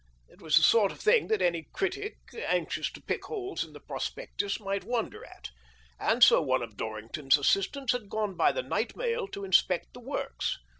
It was the sort of thing that any critic anxious to pick holes in the prospectus might wonder at, and so one of Dorrington's assistants had gone by the night mail to inspect the works.